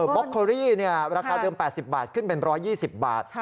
ล็อกเคอรี่ราคาเดิม๘๐บาทขึ้นเป็น๑๒๐บาท